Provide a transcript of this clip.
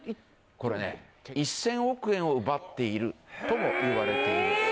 これね１０００億円を奪っているともいわれています。